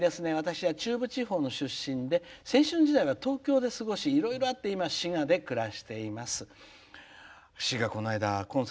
私は中部地方の出身で、青春時代は東京で過ごしいろいろあって今、滋賀で暮らしています。